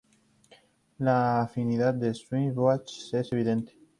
La afinidad de Schiff con Bach es evidente.